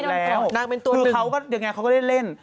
นางเป็นตัวหนึ่งเขาไปเล่นเล่น